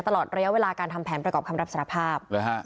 ตลอดระยะเวลาการทำแผนประกอบคำรับสารภาพ